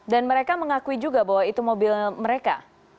dan mereka mengakui juga bahwa itu mobil mereka